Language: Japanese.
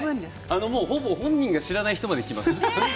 ほぼ本人が知らない人まで来ます。